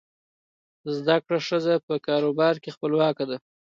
زده کړه ښځه په کار او کاروبار کې خپلواکه ده.